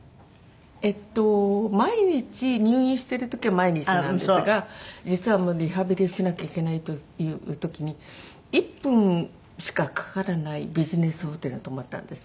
えっと毎日入院してる時は毎日なんですが実はもうリハビリしなきゃいけないという時に１分しかかからないビジネスホテルに泊まったんですね。